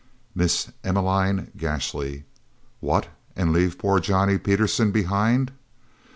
Miss Emmeline Gashly "What and leave poor Johnny Peterson behind?"